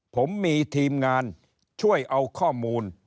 ผมมีทีมงานช่วยเอาข้อมูล